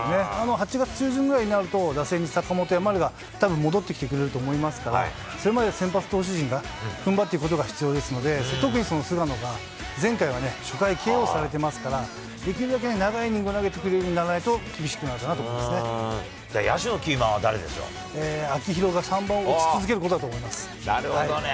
８月中旬ぐらいになると打線に坂本や丸が、たぶん戻ってきてくれると思いますから、それまで先発投手陣がふんばっていくことが必要ですので、特にその菅野が前回はね、初回ＫＯされてますから、できるだけ長いイニング投げてくれるようにならないと、厳しくなこれ以上ドラッケンの仲間増やすんじゃねえよ。